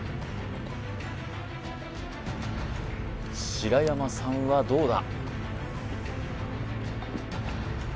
白山さんはどうだ？